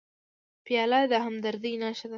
پیاله د همدردۍ نښه ده.